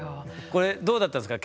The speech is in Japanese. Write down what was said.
これどうだったですか？